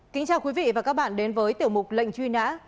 kính chào quý vị và các bạn đến với tiểu mục lệnh truy nã